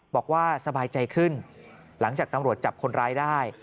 บอกว่าสบายใจขึ้นหลังจากตำรวจจับคนร้ายได้